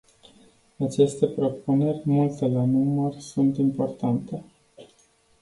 Aceste propuneri, multe la număr, sunt importante.